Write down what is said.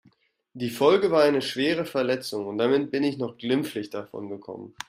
Die Folge war eine schwere Verletzung und damit bin ich noch glimpflich davon gekommen.